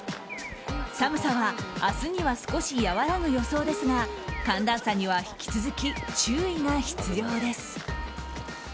寒さは明日には少し和らぐ予想ですが寒暖差には引き続き注意が必要です。